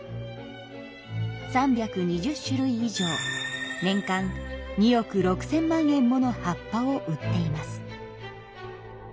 ３２０種類以上年間２億６千万円もの葉っぱを売っています。